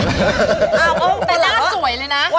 อ้าวแต่หน้าสวยเลยนะ